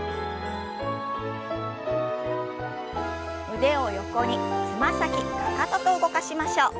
腕を横につま先かかとと動かしましょう。